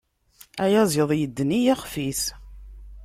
Ayaziḍ idden i yixf-is.